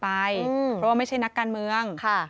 เพราะว่าไม่ใช่นักการเมือง